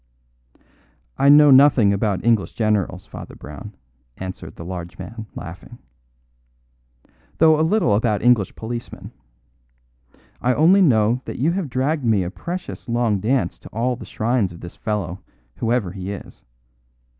"I know nothing about English generals, Father Brown," answered the large man, laughing, "though a little about English policemen. I only know that you have dragged me a precious long dance to all the shrines of this fellow, whoever he is.